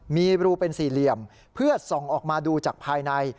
มีรูเป็นสี่เหลี่ยมเพื่อส่องออกมาดูจากภายใน